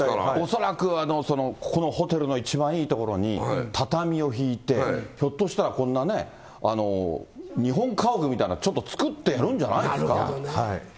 恐らくこのホテルの一番いい所に、畳を敷いてひょっとしたら、こんなね、日本家屋みたいの、ちょっと作ってやるんじゃないですか。